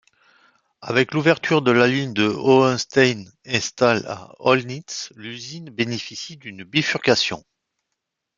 Avec l'ouverture de la ligne de Hohenstein-Ernstthal à Oelsnitz, l'usine bénéficie d'une bifurcation.